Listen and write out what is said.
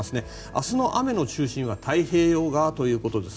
明日の雨の中心は太平洋側ということです。